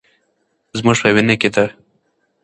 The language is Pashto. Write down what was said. زموږ په وینه کې ده.